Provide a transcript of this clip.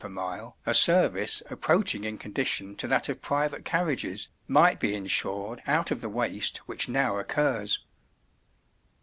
per mile, a service approaching in condition to that of private carriages, might be insured out of the waste which now occurs."